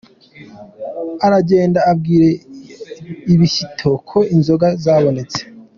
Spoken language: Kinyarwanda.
Aragenda abwira Ibishyito ko inzoga zabonetse.